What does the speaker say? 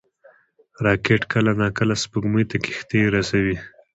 راکټ کله ناکله سپوږمۍ ته کښتۍ رسوي